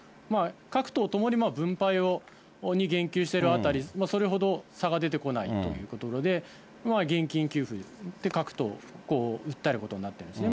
各党ともに分配に言及しているあたり、それほど差が出てこないというところで、現金給付で各党訴えることになっていますね。